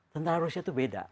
tentara rusia itu beda